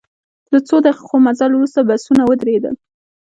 له څو دقیقو مزل وروسته بسونه ودرېدل.